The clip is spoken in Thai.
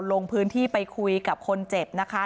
ลงพื้นที่ไปคุยกับคนเจ็บนะคะ